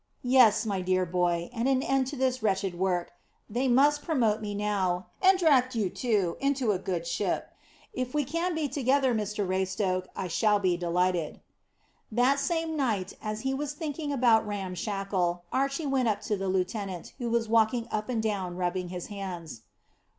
"Yes, my dear boy; and an end to this wretched work. They must promote me now, and draft you, too, into a good ship. If we can be together, Mr Raystoke, I shall be delighted." That same night, as he was thinking about Ram Shackle, Archy went up to the lieutenant, who was walking up and down rubbing his hands.